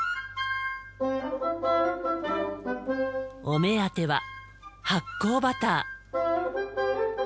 お目当ては発酵バター。